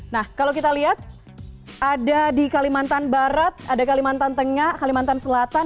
nah kalau kita lihat ada di kalimantan barat ada kalimantan tengah kalimantan selatan